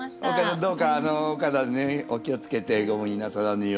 どうかお体にお気をつけてご無理なさらぬよう。